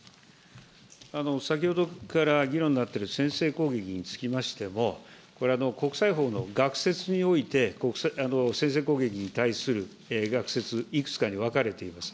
先ほどから議論になっている先制攻撃につきましても、国際法の学説において、先制攻撃に対する学説、いくつかに分かれています。